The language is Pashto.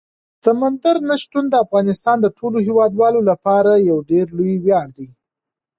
سمندر نه شتون د افغانستان د ټولو هیوادوالو لپاره یو ډېر لوی ویاړ دی.